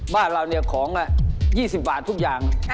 บ้านเราเนี่ยของ๒๐บาททุกอย่าง